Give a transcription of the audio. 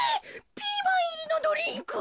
ピーマンいりのドリンクを？